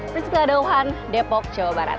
priska dauhan depok jawa barat